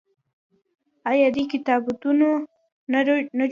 آیا دوی کتابتونونه نه جوړوي؟